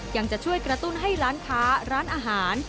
ยังจะช่วยกระตุ้นให้ร้านค้าร้านอาหาร